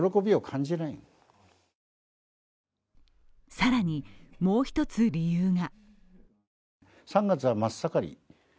更に、もう一つ理由が。